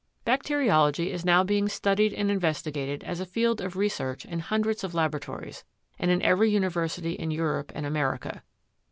Bacteriology is now being studied and investigated as a field of research in hundreds of laboratories, and in every university in Europe and America.